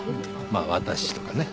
まあ私とかね。